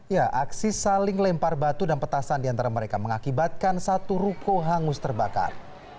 ya aksi saling lempar batu dan petasan di antara mereka mengakibatkan satu ruko hangus terbakar